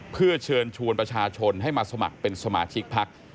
เพื่อเชิญชวนประชาชนให้มาสมัครเป็นสมาชิกพัก